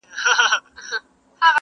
o شپه اوږده او درنه وي تل,